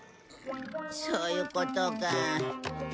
そういうことか。